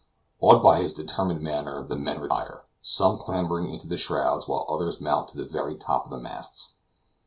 Awed by his determined manner, the men retire, some clambering into the shrouds, while others mount to the very top of the masts.